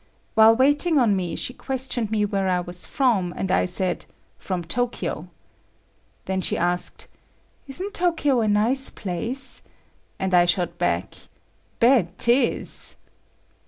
While waiting on me, she questioned me where I was from, and I said, "from Tokyo." Then she asked; "Isn't Tokyo a nice place?" and I shot back, "Bet 'tis."